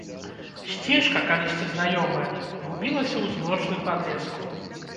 Сцежка, калісьці знаёмая, губілася ў змрочным падлеску.